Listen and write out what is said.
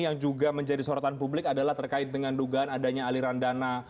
yang juga menjadi sorotan publik adalah terkait dengan dugaan adanya aliran dana